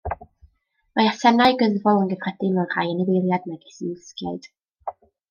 Mae asennau gyddfol yn gyffredin mewn rhai anifeiliaid megis ymlusgiaid.